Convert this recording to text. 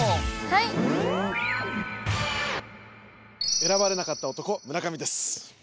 選ばれなかった男村上です。